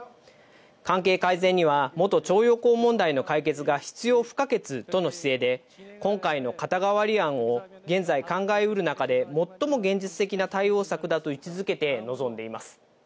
関係改善には元徴用工問題の解決が必要不可欠との姿勢で、今回の肩代わり案を現在、考えうる中で最も現実的な対応策だと位置づけて臨んでいます。